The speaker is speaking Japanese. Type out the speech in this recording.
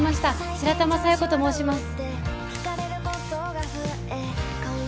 白玉佐弥子と申します